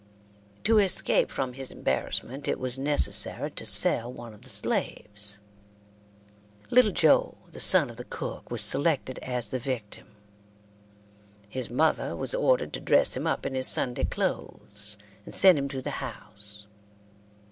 To escape from his embarrassment it was necessary to sell one of the slaves. Little Joe, the son of the cook, was selected as the victim. His mother was ordered to dress him up in his Sunday clothes, and send him to the house.